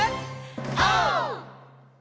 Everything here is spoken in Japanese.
オー！